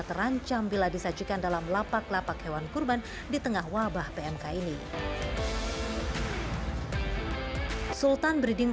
terancam bila disajikan dalam lapak lapak hewan kurban di tengah wabah pmk ini sultan breeding